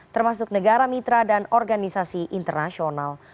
termasuk negara mitra dan organisasi internasional